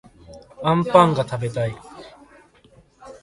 あんぱんがたべたい